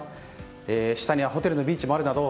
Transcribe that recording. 下にはホテルのビーチもあるなど